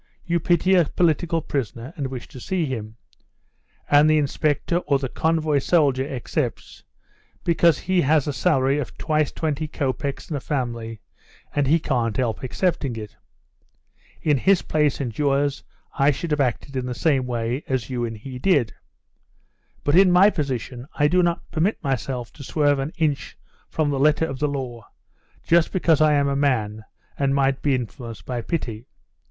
You pity a political prisoner and wish to see him. And the inspector or the convoy soldier accepts, because he has a salary of twice twenty copecks and a family, and he can't help accepting it. In his place and yours I should have acted in the same way as you and he did. But in my position I do not permit myself to swerve an inch from the letter of the law, just because I am a man, and might be influenced by pity.